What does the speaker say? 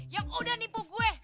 yang udah nipu gue